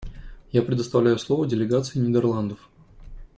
Я предоставляю слово делегации Нидерландов.